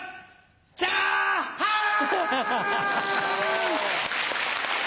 チャハン！